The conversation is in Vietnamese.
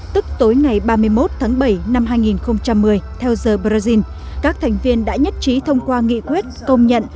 tức tối ngày ba mươi một tháng bảy năm hai nghìn một mươi theo giờ brazil các thành viên đã nhất trí thông qua nghị quyết công nhận